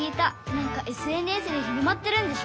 なんかＳＮＳで広まってるんでしょ？